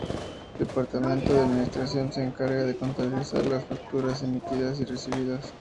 Departamento de Administración: se encarga de contabilizar las facturas emitidas y recibidas.